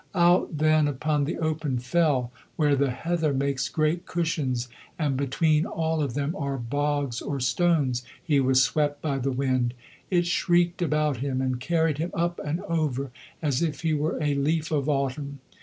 Out then upon the open fell, where the heather makes great cushions, and between all of them are bogs or stones, he was swept by the wind. It shrieked about him and carried him up and over as if he were a leaf of autumn.